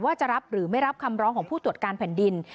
จะรับหรือไม่รับคำร้องของผู้ตรวจการแผ่นดิน